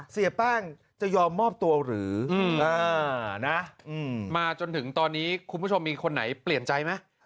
เสียแป้งจะยอมมอบตัวหรือมาจนถึงตอนนี้คุณผู้ชมมีคนไหนเปลี่ยนใจไหม